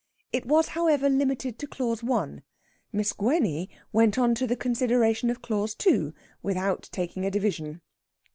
It was, however, limited to Clause 1. Miss Gwenny went on to the consideration of Clause 2 without taking a division.